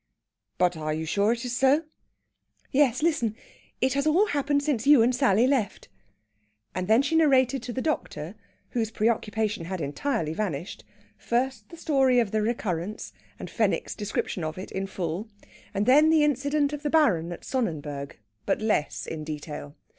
"But are you sure it is so?" "Yes, listen! It has all happened since you and Sally left." And then she narrated to the doctor, whose preoccupation had entirely vanished, first the story of the recurrence, and Fenwick's description of it in full; and then the incident of the Baron at Sonnenberg, but less in detail.